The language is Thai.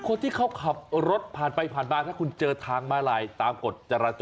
คนที่เขาขับรถผ่านไปผ่านมาถ้าคุณเจอทางมาลายตามกฎจราจร